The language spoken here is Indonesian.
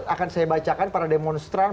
akan saya bacakan para demonstran